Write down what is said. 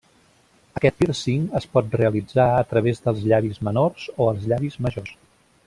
Aquest pírcing es pot realitzar a través dels llavis menors o els llavis majors.